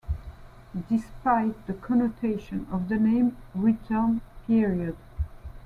Despite the connotations of the name "return period".